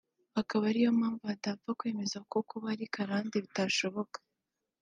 akaba ari na yo mpamvu badapfa kwemeza ko kuba ari karande bitashoboka